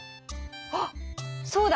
あっそうだ！